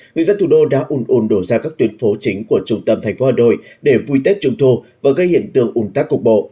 người dân thủ đô đã un ồn đổ ra các tuyến phố chính của trung tâm thành phố hà nội để vui tết trung thu và gây hiện tượng ủn tắc cục bộ